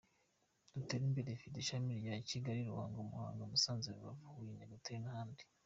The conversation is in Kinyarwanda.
Duterimbere ifite ishami rya Kigali, Ruhango, Muhanga, Musanze, Rubavu, Huye, Nyagatare n’ahandi.